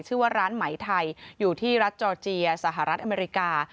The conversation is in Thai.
ชื่อว่าร้านไหมไทยอยู่ที่รัฐจอร์เจียสหรัฐอเมริกา